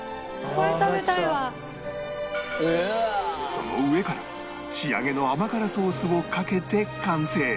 その上から仕上げの甘辛ソースをかけて完成